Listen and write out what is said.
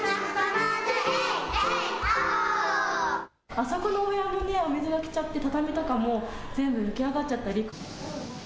あそこのお部屋もお水が来ちゃって畳とかも全部浮き上がっちゃったり。